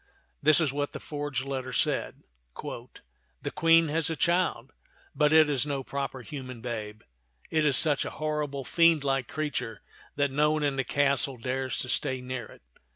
This is what the forged letter said :" The Queen has a child, but it is no proper human babe; it is such a horrible, iiendlike creature that no one in the castle dares to stay near it.